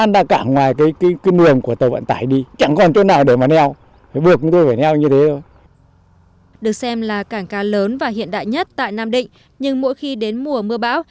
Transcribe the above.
được xem là cảng cá lớn và hiện đại nhất tại nam định nhưng mỗi khi đến mùa mưa bão